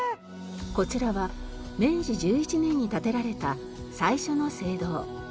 こちらは明治１１年に建てられた最初の聖堂。